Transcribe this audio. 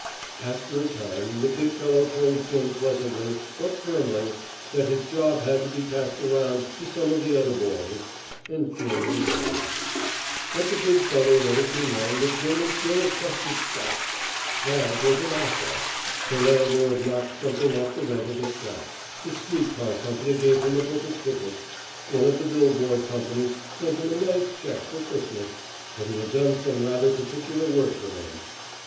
After a time the big fellow told Jim pleasantly, but firmly, that his job had to be passed around to some of the other boys, and Jim resigned. But the big fellow let it be known that Jim was still a trusted scout. That was an asset. The landlord knocked something off the rent of his flat, the street car company gave him a book of tickets, one of the bill board companies sent him a nice check for Christmas; but he had done some rather particular work for them.